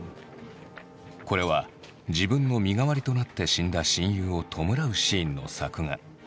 これは自分の身代わりとなって死んだ親友を弔うシーンの作画。